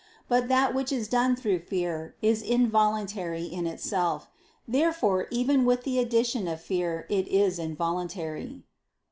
But that which is done through fear, is involuntary in itself. Therefore, even with the addition of fear, it is involuntary.